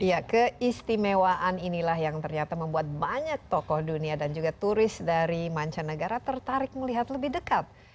ya keistimewaan inilah yang ternyata membuat banyak tokoh dunia dan juga turis dari mancanegara tertarik melihat lebih dekat